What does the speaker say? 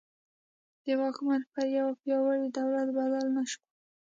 د واکمني پر یوه پیاوړي دولت بدله نه شوه.